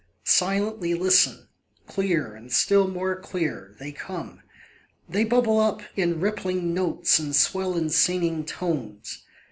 Silently listen! Clear, and still more clear, they come. They bubble up in rippling notes, and swell in singing tones.